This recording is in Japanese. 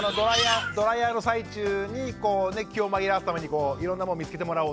ドライヤーの最中に気を紛らわすためにいろんなもの見つけてもらおう！